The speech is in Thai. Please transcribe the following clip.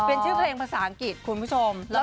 เป็นชื่อเพลงภาษาอังกฤษคุณผู้ชม